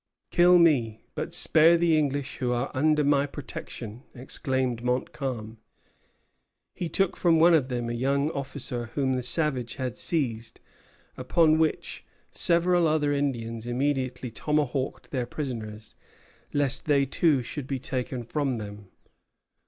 "Kill me, but spare the English who are under my protection," exclaimed Montcalm. He took from one of them a young officer whom the savage had seized; upon which several other Indians immediately tomahawked their prisoners, lest they too should be taken from them.